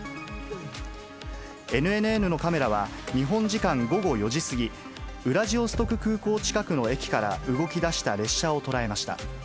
ＮＮＮのカメラは、日本時間午後４時過ぎ、ウラジオストク空港近くの駅から動きだした列車を捉えました。